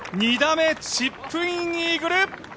目チップインイーグル。